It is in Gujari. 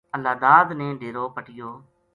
اللہ داد نے ڈیرو پَٹیو